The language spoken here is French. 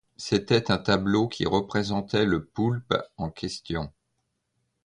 C’était un tableau qui représentait le poulpe en question !